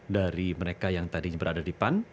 dari mereka yang tadinya berada di pan